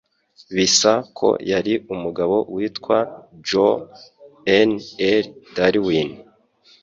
Bisa ko yari umugabo witwa Joh n L. Darwin.